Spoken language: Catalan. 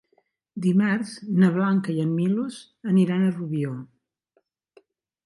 Dimarts na Blanca i en Milos aniran a Rubió.